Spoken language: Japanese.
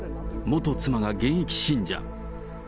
元妻が現役信者。